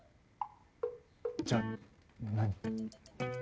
じゃあ何？